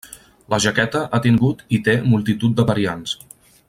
La jaqueta ha tingut i té multitud de variants.